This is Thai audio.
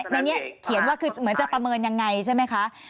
ในนี้เขียนว่าคือเหมือนจะประเมินยังไงใช่ไหมคะ